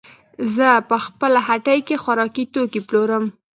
زه په خپله هټۍ کې خوراکي توکې پلورم.